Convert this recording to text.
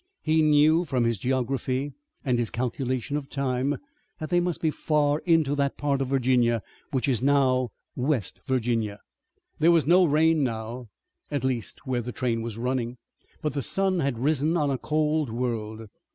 He knew from his geography and his calculation of time that they must be far into that part of Virginia which is now West Virginia. There was no rain now, at least where the train was running, but the sun had risen on a cold world.